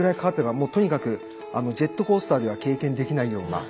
もうとにかくジェットコースターでは経験できないような。